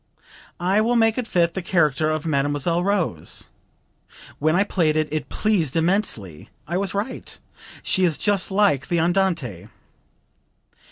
'I will make it fit the character of Mademoiselle Rose.' When I played it, it pleased immensely....I was right; she is just like the Andante."